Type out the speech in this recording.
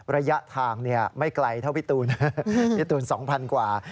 ระยะทางไม่ไกลเท่าวิทูลวิทูล๒๐๐๐กว่า